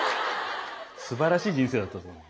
すばらしい人生だったと思う。